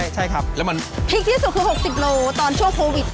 ใช่ครับแล้วมันพลิกที่สุดคือ๖๐โลตอนช่วงโควิด